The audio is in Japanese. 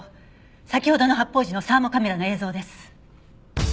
先ほどの発砲時のサーモカメラの映像です。